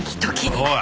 おい。